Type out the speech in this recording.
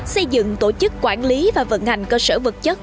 xây dựng tổ chức quản lý và vận hành cơ sở vật chất